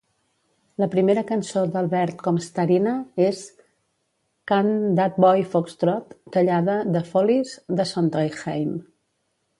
La primera cançó d'Albert com "Starina" és "Can That Boy Foxtrot", tallada de "Follies" de Sondheim.